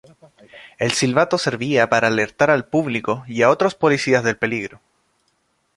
El silbato servía para alertar al público y a otros policías del peligro.